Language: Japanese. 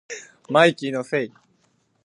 マイキーのせい